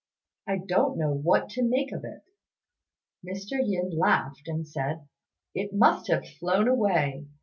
I don't know what to make of it." Mr. Yin laughed, and said, "It must have flown away!